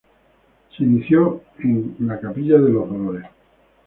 Se inició en Capilla de los Dolores.